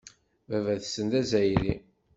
Baba-tsen d Azzayri.